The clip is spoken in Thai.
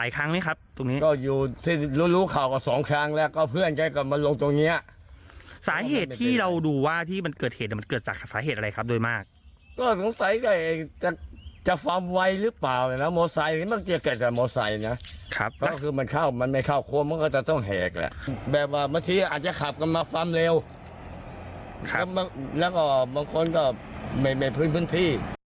ครับแล้วก็บางคนก็ไม่พื้นพื้นที่